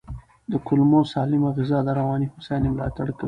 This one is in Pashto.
د کولمو سالمه غذا د رواني هوساینې ملاتړ کوي.